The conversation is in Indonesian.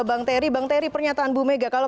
bang teri bang teri pernyataan ibu mega kalau